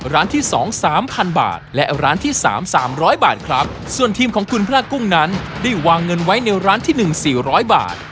ร้านที่สองสามพันบาทและร้านที่สามสามร้อยบาทครับส่วนทีมของคุณพระกุ้งนั้นได้วางเงินไว้ในร้านที่หนึ่งสี่ร้อยบาท